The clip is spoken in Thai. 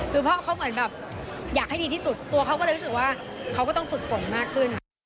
คือพ่อเขาเหมือนแบบอยากให้ดีที่สุดตัวเขาก็เลยรู้สึกว่าเขาก็ต้องฝึกฝนมากขึ้น